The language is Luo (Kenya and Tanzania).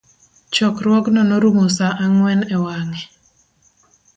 Chokruogno norumo sa ang'wen e wange